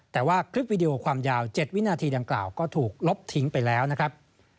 แต่ว่าคลิปวิดีโอความยาว๗วินาทีดังกล่าวก็ถูกลบทิ้งไปแล้วนะครับ